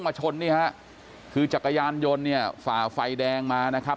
ชนนี่ฮะคือจักรยานยนต์เนี่ยฝ่าไฟแดงมานะครับ